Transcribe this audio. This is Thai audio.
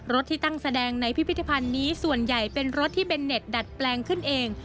ที่ตั้งแสดงในพิพิธภัณฑ์นี้ส่วนใหญ่เป็นรถที่เบนเน็ตดัดแปลงขึ้นเอง